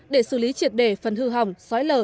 để xử lý triệt đề phần hư hỏng xói lở